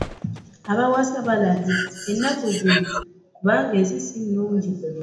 Abawasa balabye ennaku zino kubanga ensi si nnungi.